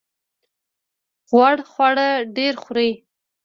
غوړ خواړه ډیر خورئ؟